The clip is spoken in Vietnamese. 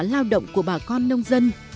lao động của bà con nông dân